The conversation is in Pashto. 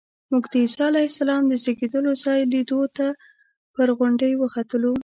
موږ د عیسی علیه السلام د زېږېدلو ځای لیدو ته پر غونډۍ وختلو.